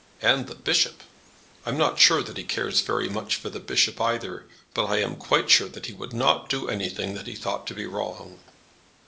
"And the Bishop?" "I'm not sure that he cares very much for the Bishop either. But I am quite sure that he would not do anything that he thought to be wrong."